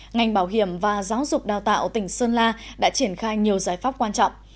ngành bảo hiểm và giáo dục đào tạo tỉnh sơn la đã triển khai nhiều giải pháp quan trọng